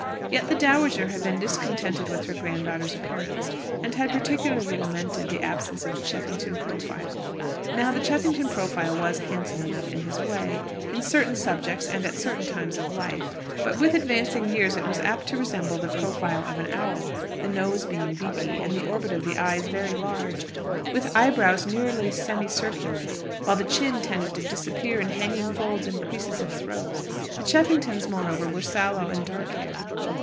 Yet the dowager had been discontented with her grand daughter's appearance, and had particularly lamented the absence of the Cheffington profile. Now the Cheffington profile was handsome enough in its way, in certain subjects and at a certain time of life; but with advancing years it was apt to resemble the profile of an owl: the nose being beaky, and the orbit of the eyes very large, with eyebrows nearly semi circular; while the chin tended to disappear in hanging folds and creases of throat. The Cheffingtons, moreover, were sallow and dark haired.